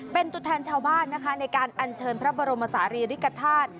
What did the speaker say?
เป็นตัวแทนชาวบ้านนะคะในการอัญเชิญพระบรมศาลีริกฐาตุ